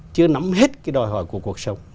chưa nắm hết cái đòi hỏi của cuộc sống